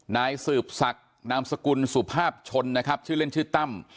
นายสืบศักดิ์นามสกุลสุภาพชนนะครับชื่อเล่นชื่อตั้ม